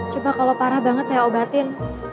cuma kalau parah banget saya obatin